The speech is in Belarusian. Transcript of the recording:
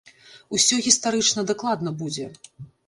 Усё гістарычна дакладна будзе.